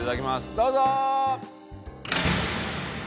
どうぞ！